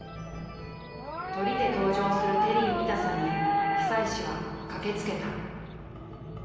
トリで登場するテリー見たさに久石は駆けつけた。